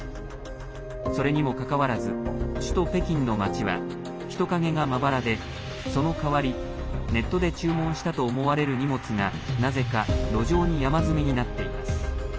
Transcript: それにもかかわらず首都・北京の街は人影がまばらで、その代わりネットで注文したと思われる荷物が、なぜか路上に山積みになっています。